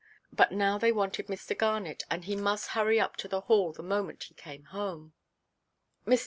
But now they wanted Mr. Garnet, and he must hurry up to the Hall the moment he came home. Mr.